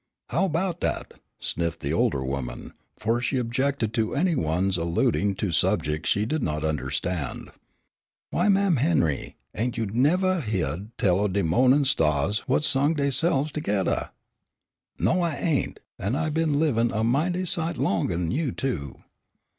"How 'bout dat?" sniffed the older woman, for she objected to any one's alluding to subjects she did not understand. "Why, Mam' Henry, ain' you nevah hyeahd tell o' de mo'nin' stahs whut sung deyse'ves togeddah?" "No, I ain't, an' I been livin' a mighty sight longah'n you, too.